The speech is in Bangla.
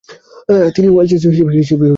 তিনি ওয়েনচেসলাস হিসেবে জন্মগ্রহণ করেন।